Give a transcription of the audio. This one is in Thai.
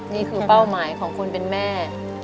นี่คือเป้าหมายของคุณเป็นแม่